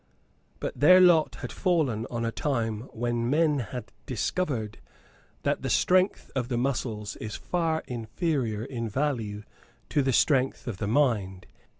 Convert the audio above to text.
But their lot had fallen on a time when men had discovered that the strength of the muscles is far inferior in value to the strength of the mind.